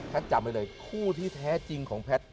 จำไว้เลยคู่ที่แท้จริงของแพทย์